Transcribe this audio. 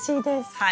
はい。